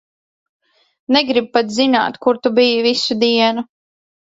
Negribu pat zināt, kur tu biji visu dienu.